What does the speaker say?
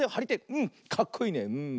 うんかっこいいねうん。